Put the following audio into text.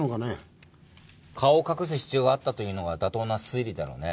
顔を隠す必要があったというのが妥当な推理だろうね。